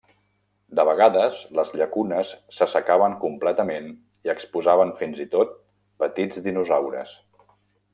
De vegades, les llacunes s'assecaven completament i exposaven fins i tot petits dinosaures.